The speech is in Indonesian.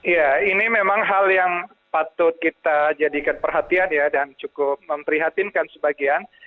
ya ini memang hal yang patut kita jadikan perhatian ya dan cukup memprihatinkan sebagian